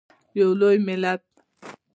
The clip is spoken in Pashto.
یو لوی ملت.